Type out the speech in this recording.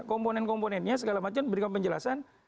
komponen komponennya segala macam berikan penjelasan